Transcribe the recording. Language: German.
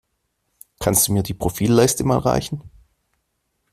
Kannst du mir die Profilleiste mal reichen?